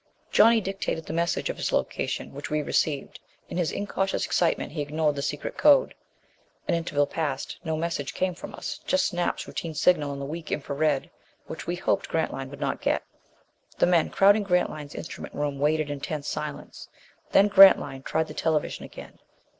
Johnny dictated the message of his location which we received. In his incautious excitement he ignored the secret code. An interval passed. No message had come from us just Snap's routine signal in the weak infra red, which we hoped Grantline would not get. The men crowding Grantline's instrument room waited in tense silence. Then Grantline tried the television again.